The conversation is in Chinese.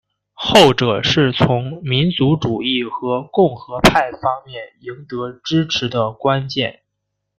后者是从民族主义和共和派方面赢得支持的关键。